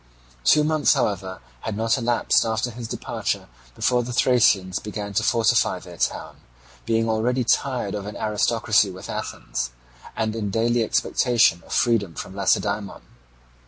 Two months, however, had not elapsed after his departure before the Thasians began to fortify their town, being already tired of an aristocracy with Athens, and in daily expectation of freedom from Lacedaemon.